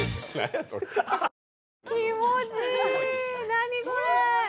何これ？